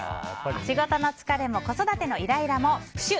仕事の疲れも子育てのイライラもプシュ！